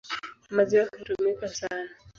Maziwa hutumika sana.